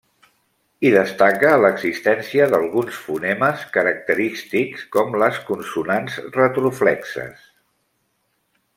Hi destaca l'existència d'alguns fonemes característics, com les consonants retroflexes.